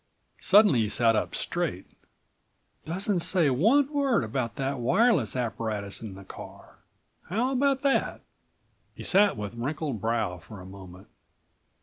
Suddenly he sat up straight. "Doesn't say one word about that wireless apparatus in the car. How about that?" He sat with wrinkled brow for a moment.